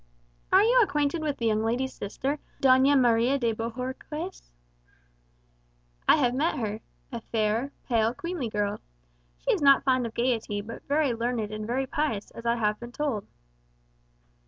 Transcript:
"Are you acquainted with the young lady's sister Doña Maria de Bohorques?" "I have met her. A fair, pale, queenly girl. She is not fond of gaiety, but very learned and very pious, as I have been told."